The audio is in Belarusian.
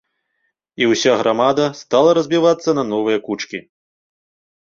І ўся грамада стала разбівацца на новыя кучкі.